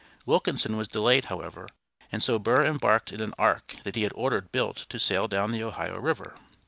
Wilkinson was delayed, however, and so Burr embarked in an ark that he had ordered built to sail down the Ohio River.